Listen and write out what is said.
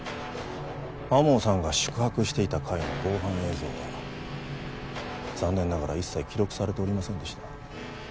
天羽さんが宿泊していた階の防犯映像は残念ながら一切記録されておりませんでした。